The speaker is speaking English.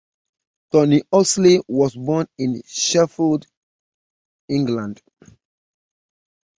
Tony Oxley was born in Sheffield, England.